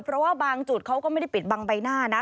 เพราะว่าบางจุดเขาก็ไม่ได้ปิดบังใบหน้านะ